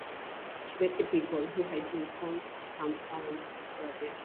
She rescued people who had been conned to become servants in Arabia.